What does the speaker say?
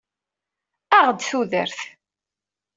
Aɣ-d tudert!